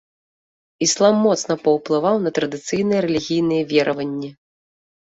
Іслам моцна паўплываў на традыцыйныя рэлігійныя вераванні.